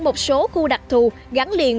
một số khu đặc thù gắn liền